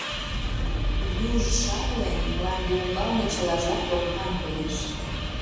Юж шарлен, мланде ӱмбалне чылажат лопкан коеш.